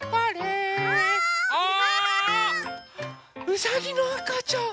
うさぎのあかちゃん！